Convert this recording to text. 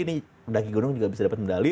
ini mendaki gunung juga bisa mendali